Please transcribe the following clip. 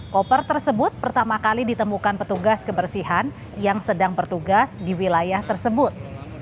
koper tersebut pertama kali ditemukan petugas kebersihan yang sedang bertugas di wilayah tersebut